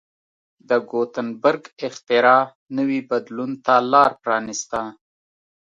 د ګوتنبرګ اختراع نوي بدلون ته لار پرانېسته.